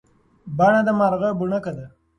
بڼه د مارغه بڼکه ده.